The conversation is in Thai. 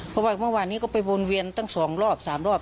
เพราะว่าเมื่อวานนี้ก็ไปวนเวียนตั้ง๒รอบ๓รอบ